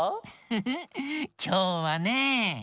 フフッきょうはね。